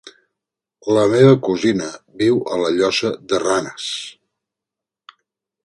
La meva cosina viu a la Llosa de Ranes.